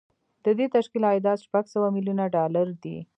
د دې تشکیل عایدات شپږ سوه میلیونه ډالر دي